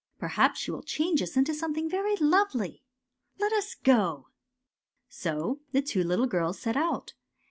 Perhaps she will change us into something very lovely. Let us go! " So the two little girls set out.